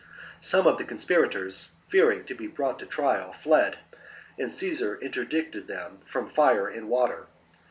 ^ Some of the con aspirators, fearing to be brought to trial, fled ; and ^ Caesar interdicted them from fire and water.